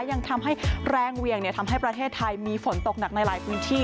ยังทำให้แรงเหวี่ยงทำให้ประเทศไทยมีฝนตกหนักในหลายพื้นที่